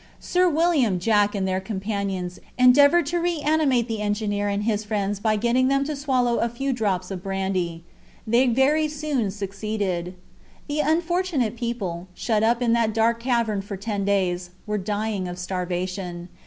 Sir William, Jack, and their companions endeavored to reanimate the engineer and his friends by getting them to swallow a few drops of brandy. They very soon succeeded. The unfortunate people, shut up in that dark cavern for ten days, were dying of starvation.